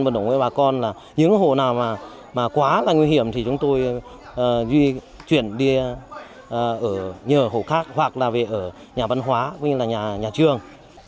vận động với bà con là những hộ nào mà quá là nguy hiểm thì chúng tôi chuyển đi nhờ hộ khác hoặc là về nhà văn hóa cũng như là nhà trường